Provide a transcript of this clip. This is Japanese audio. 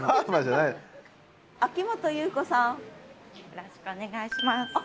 よろしくお願いします。